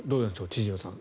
千々岩さん。